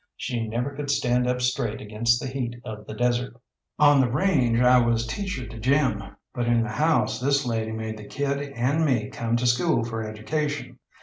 She never could stand up straight against the heat of the desert. On the range I was teacher to Jim; but in the house this lady made the kid and me come to school for education.